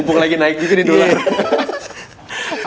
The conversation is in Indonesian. umpuknya lagi naik gitu nih doang